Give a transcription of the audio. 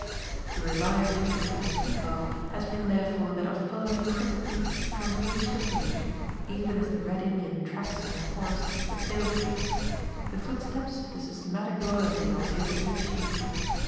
The revived interest I speak of has been therefore that of following critically, from page to page, even as the red Indian tracks in the forest the pale face, the footsteps of the systematic loyalty I was able to achieve.